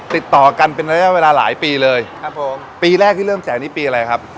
ติดต่อกันเป็นระยะเวลาหลายปีเลยครับผมปีแรกที่เริ่มแจกนี้ปีอะไรครับ